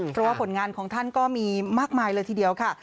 เพราะว่าผลงานของท่านก็มีมากมายเลยทีเดียวค่ะ